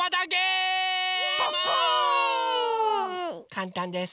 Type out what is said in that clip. かんたんです。